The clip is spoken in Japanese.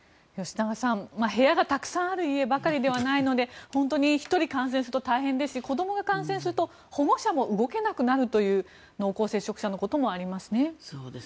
吉永さん部屋がたくさんある家ばかりではないので本当に１人感染すると大変ですし子どもが感染すると保護者が動けなくなるという濃厚接触者のこともありますね。